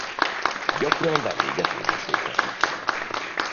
Gyakran vendége tévéshow-knak is.